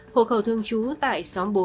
hộ khẩu thương chú tại xóm bốn